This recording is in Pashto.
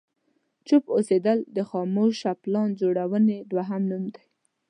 چوپ اوسېدل د خاموشه پلان جوړونې دوهم نوم دی.